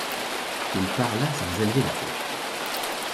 Il parla sans élever la voix.